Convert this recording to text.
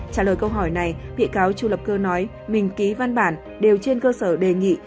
trả lời câu hỏi này bị cáo chu lập cơ nói mình ký văn bản đều trên cơ sở đề nghị